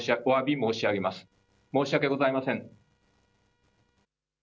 申し訳ございません。